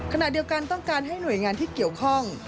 ขณะเดียวกันต้องการให้หน่วยงานที่เกี่ยวข้อง